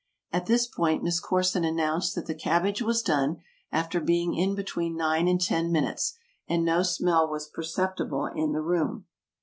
(At this point Miss Corson announced that the cabbage was done, after being in between nine and ten minutes, and no smell was perceptible in the room.)